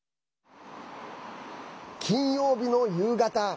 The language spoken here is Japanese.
金曜日の夕方。